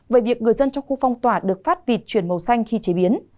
về việc người dân trong khu phong tỏa được phát vịt chuyển màu xanh khi chế biến